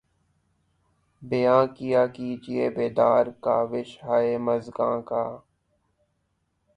بیاں کیا کیجیے بیداد کاوش ہائے مژگاں کا